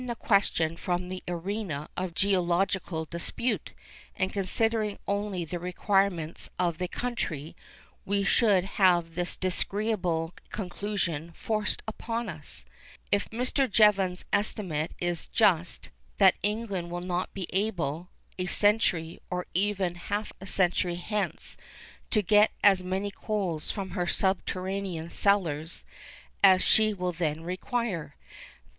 In other words, removing the question from the arena of geological dispute, and considering only the requirements of the country, we should have this disagreeable conclusion forced upon us, if Mr. Jevons's estimate is just, that England will not be able, a century, or even half a century hence, to get as many coals from her subterranean cellars as she will then require.